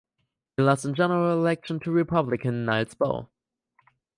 He lost in the general election to Republican Nils Boe.